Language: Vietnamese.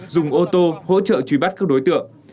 dùng ô tô hỗ trợ truy bắt các đối tượng